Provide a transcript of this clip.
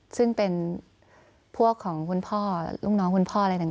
ซึ่งเป็นพวกของคุณพ่อลูกน้องคุณพ่ออะไรต่าง